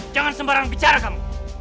jangan sembarang bicara kamu